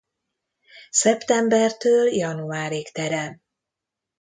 Szeptembertől januárig terem.